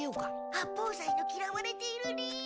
八方斎のきらわれている理由。